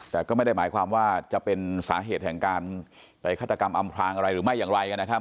แต่ก็ไม่ได้หมายความว่าจะเป็นสาเหตุแห่งการไปฆาตกรรมอำพลางอะไรหรือไม่อย่างไรนะครับ